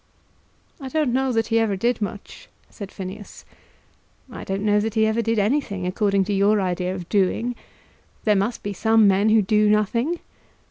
"I don't know that he ever did much," said Phineas. "I don't know that he ever did anything according to your idea of doing. There must be some men who do nothing."